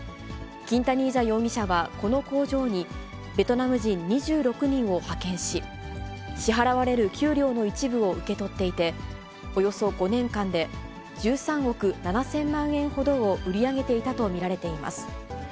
キンタニージャ容疑者はこの工場にベトナム人２６人を派遣し、支払われる給料の一部を受け取っていて、およそ５年間で１３億７０００万円ほどを売り上げていたと見られています。